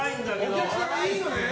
お客さんはいいのね？